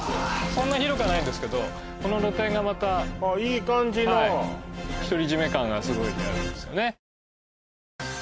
そんな広くはないんですけどこの露天がまたあっいい感じの独り占め感がすごいあるんですよね